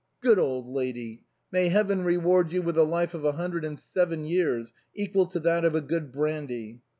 Good old lady ! May Heaven reward you with a life of a hundred and seven years — equal to that of good brandy